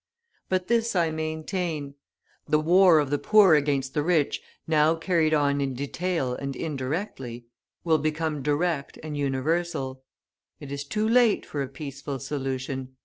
But this I maintain, the war of the poor against the rich now carried on in detail and indirectly will become direct and universal. It is too late for a peaceful solution.